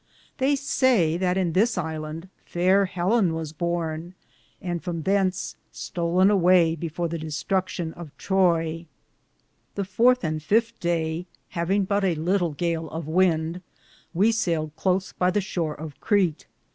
^ They saye that in this Hand faire Hellin was borne, and from thence stolne awaye before the Distrucktion of Troye. The fourthe and the fifte Daye, havinge but a litle gale of wynde, we sayled cloce by the shore of Candie.